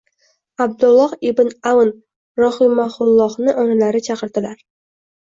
Abdulloh ibn Avn rohimahullohni onalari chaqirdilar